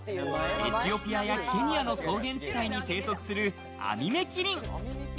エチオピアやケニアの草原地帯に生息するアミメキリン。